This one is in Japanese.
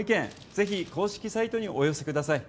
是非、公式サイトにお寄せください。